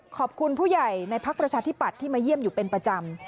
ขอบคุณผู้ใหญ่ในพักประชาธิปัตย์ที่มาเยี่ยมอยู่เป็นประจำ